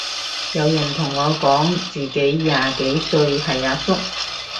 有人同我講自己廿幾歲係阿叔